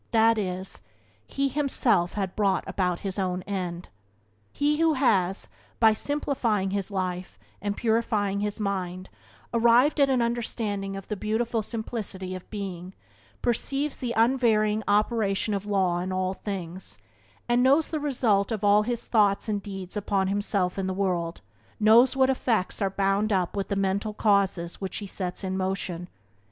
That is, he himself had brought about his own end. He who has, by simplifying his life and purifying his mind, arrived at an understanding of the beautiful simplicity of being, perceives the unvarying operation of law in all things, and knows the result of all his thoughts and deeds upon himself and the world — knows what effects are bound up with the mental causes which he sets in motion.